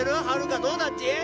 はるかどうだっち？